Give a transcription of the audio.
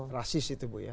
rasis itu bu ya